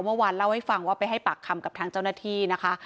เมื่อวานเล่าให้ฟังว่าไปให้ปากคำกับทางเจ้าหน้าที่นะคะ